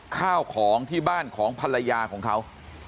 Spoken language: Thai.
ข้าวของที่บ้านของภรรยาของเขา